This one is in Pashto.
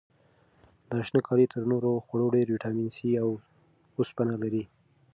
دا شنه کالي تر نورو خوړو ډېر ویټامین سي او وسپنه لري.